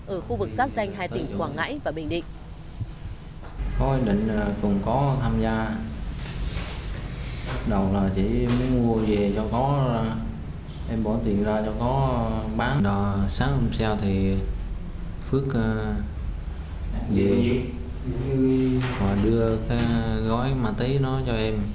ở khu vực giáp danh hai tỉnh quảng ngãi và bình định